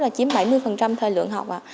là chiếm bảy mươi thời lượng học